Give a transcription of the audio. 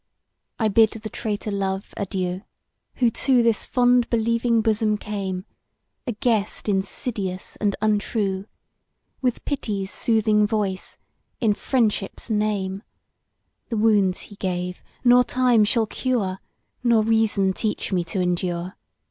I bid the traitor Love adieu! Who to this fond believing bosom came, A guest insidious and untrue, With Pity's soothing voice in Friendship's name; The wounds he gave, nor Time shall cure, Nor Reason teach me to endure.